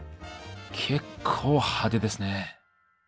結構派手ですね。